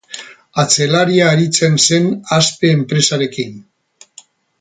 Atzelaria aritzen zen, Aspe enpresarekin.